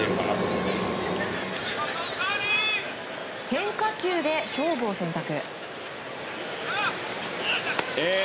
変化球で勝負を選択。